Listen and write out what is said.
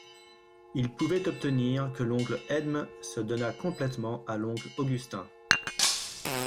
Il pouvait obtenir que l'oncle Edme se donnât complètement à l'oncle Augustin.